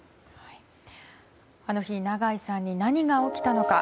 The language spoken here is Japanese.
あの日、長井さんに何が起きたのか。